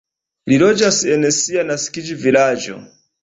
Li loĝas en sia naskiĝvilaĝo.